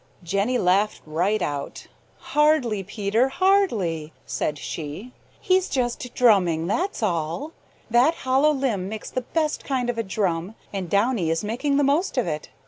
Jenny laughed right out. "Hardly, Peter, hardly," said she. "He's just drumming, that's all. That hollow limb makes the best kind of a drum and Downy is making the most of it.